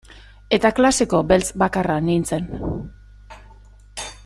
Eta klaseko beltz bakarra nintzen.